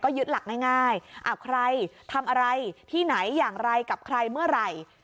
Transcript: ยึดหลักง่ายใครทำอะไรที่ไหนอย่างไรกับใครเมื่อไหร่